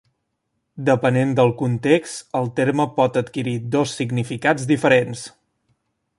Depenent del context, el terme pot adquirir dos significats diferents.